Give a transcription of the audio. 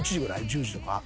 １０時とか。